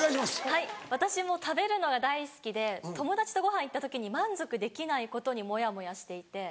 はい私も食べるのが大好きで友達とご飯行った時に満足できないことにモヤモヤしていて。